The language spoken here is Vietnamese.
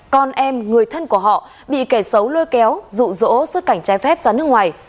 con em người thân của họ bị kẻ xấu lôi kéo rụ rỗ xuất cảnh trái phép ra nước ngoài